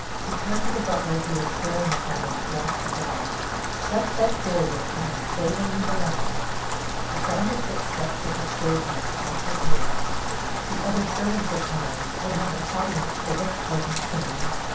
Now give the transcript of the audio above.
She turned to the butler who was staring at them with dropped jaw: "Shut that door, Dixon, and stay where you belong." The sound of footsteps at the stair head caught her ear. "The other servants are coming: we'll have an audience for this pleasant scene.